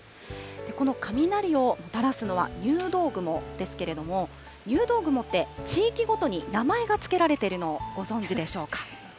この雷をもたらすのは入道雲ですけれども、入道雲って、地域ごとに名前が付けられているのをご存じでしょうか。